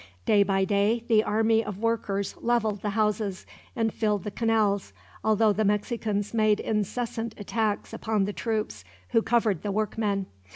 Day by day the army of workers leveled the houses and filled the canals, although the Mexicans made incessant attacks upon the troops who covered the workmen.